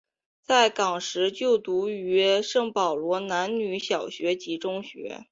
在港时就读于圣保罗男女小学及中学。